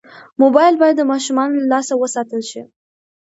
موبایل باید د ماشومانو له لاسه وساتل شي.